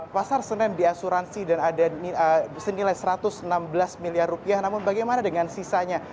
pasar senen diasuransi dan ada senilai rp satu ratus enam belas miliar rupiah namun bagaimana dengan sisanya